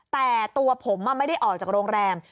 แต่ตัวผมไม่ได้ออกจากโรงแรม